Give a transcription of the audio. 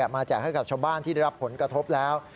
แจกให้กับชาวบ้านที่ได้รับผลกระทบแล้ว